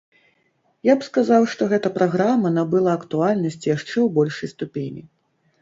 Я б сказаў, што гэта праграма набыла актуальнасць яшчэ ў большай ступені.